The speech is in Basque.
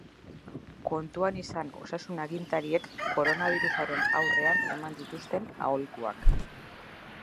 Kontuan izan osasun agintariek koronabirusaren aurrean eman dituzten aholkuak.